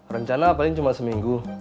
rencana paling cuma seminggu